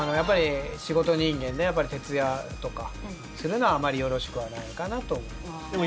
仕事人間で徹夜とかするのはあまりよろしくはないかなと思います。